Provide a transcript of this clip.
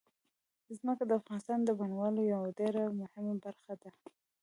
ځمکه د افغانستان د بڼوالۍ یوه ډېره مهمه برخه ده.